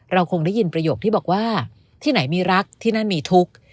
เราคงได้ยินประโยคที่บอกว่าที่ไหนมีรักที่นั่นมีทุกข์